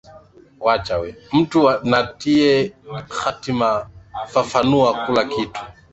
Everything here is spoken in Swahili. Mtu natiye khatima, fafanua kula kitu